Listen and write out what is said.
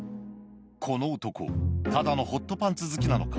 この男ただのホットパンツ好きなのか？